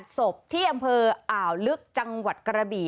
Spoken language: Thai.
ศพที่อำเภออ่าวลึกจังหวัดกระบี่